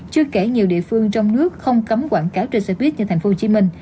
chưa kể nhiều địa phương trong nước không cấm quảng cáo trên xoay biếc như tp hcm